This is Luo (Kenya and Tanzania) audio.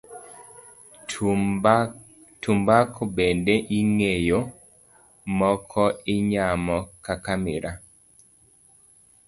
Tumbako bende ing'weyo, moko inyamo kaka miraa.